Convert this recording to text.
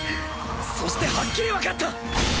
そしてはっきりわかった！